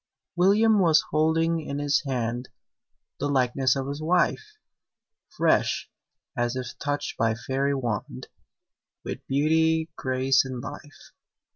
William was holding in his hand The likeness of his wife! Fresh, as if touched by fairy wand, With beauty, grace, and life.